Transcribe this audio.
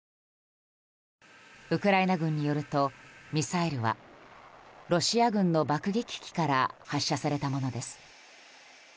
ウクライナ軍によるとミサイルはロシア軍の爆撃機から発射されたものです。